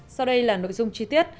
sau đây là nội dung chi tiết